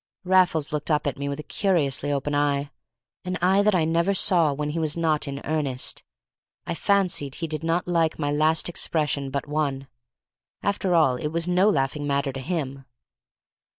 Raffles looked up at me with a curiously open eye, an eye that I never saw when he was not in earnest. I fancied he did not like my last expression but one. After all, it was no laughing matter to him.